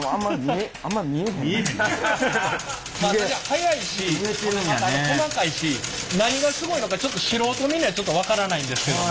速いしほんでまた細かいし何がすごいのかちょっと素人目には分からないんですけど。